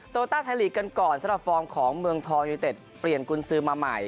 โตวาต้าไทยลีกกันก่อนสนภรรณ์ของเมืองทองวิทยาลัยเต็จเปลี่ยนกุญซื้อมาใหม่